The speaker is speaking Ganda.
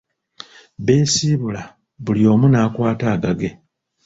Beesiibula, buli omu n'akwata agage.